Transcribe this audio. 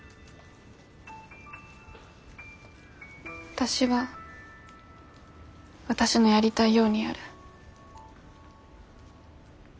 私は私のやりたいようにやる。